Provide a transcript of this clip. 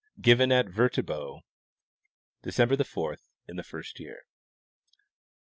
Given at Viterbo December 4th, in the first year.